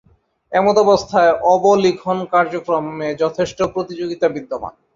এমতাবস্থায় অবলিখন কার্যক্রমে যথেষ্ট প্রতিযোগিতা বিদ্যমান।